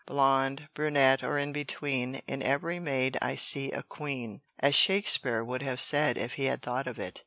Blonde, brunette, or in between, in every maid I see a queen, as Shakespeare would have said if he had thought of it."